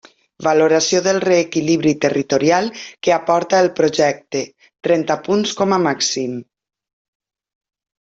Valoració del reequilibri territorial que aporta el projecte, trenta punts com a màxim.